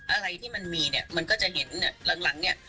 อะไรที่มันมีเนี่ยมันก็จะเห็นเนี่ยหลังเนี่ย